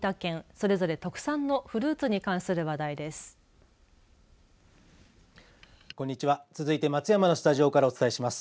それぞれ特産のフルーツに関する話題です。